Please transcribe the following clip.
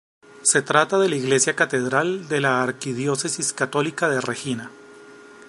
Se trata de la iglesia catedral de la archidiócesis católica de Regina.